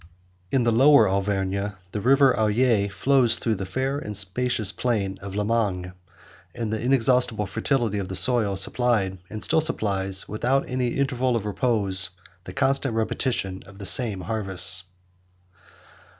In the Lower Auvergne, the River Allier flows through the fair and spacious plain of Limagne; and the inexhaustible fertility of the soil supplied, and still supplies, without any interval of repose, the constant repetition of the same harvests.